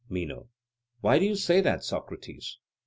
MENO: Why do you say that, Socrates?